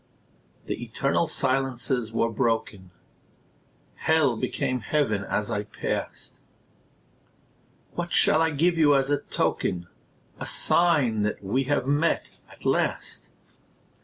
The eternal silences were broken; Hell became Heaven as I passed. What shall I give you as a token, A sign that we have met, at last?